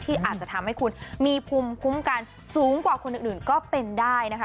อาจจะทำให้คุณมีภูมิคุ้มกันสูงกว่าคนอื่นก็เป็นได้นะคะ